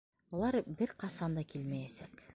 Улар бер ҡасан да килмәйәсәк.